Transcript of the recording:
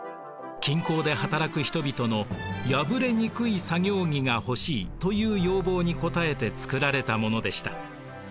金鉱で働く人々の「破れにくい作業着が欲しい」という要望に応えて作られたものでした。